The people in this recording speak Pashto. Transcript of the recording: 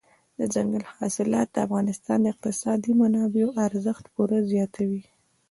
دځنګل حاصلات د افغانستان د اقتصادي منابعو ارزښت پوره زیاتوي.